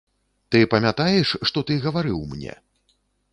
Ты памятаеш, што ты гаварыў мне?